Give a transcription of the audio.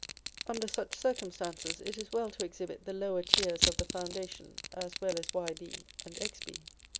Under such circumstances, it is well to exhibit the lower tiers of the foundation as well as Yb and Xb.